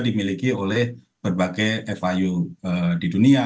dimiliki oleh berbagai fiu di dunia